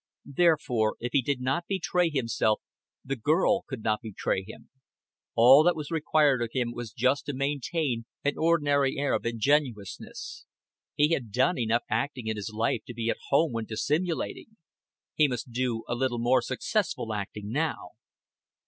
Therefore if he did not betray himself, the girl could not betray him. All that was required of him was just to maintain an ordinary air of ingenuousness. He had done enough acting in his life to be at home when dissimulating. He must do a little more successful acting now.